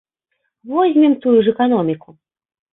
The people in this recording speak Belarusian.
Возьмем тую ж эканоміку.